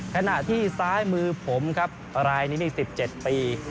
ขณะที่ซ้ายมือผมครับรายนี้นี่๑๗ปี